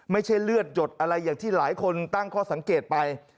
ไม่ใช่เลือดหยดอะไรอย่างที่หลายคนตั้งข้อสังเกตไป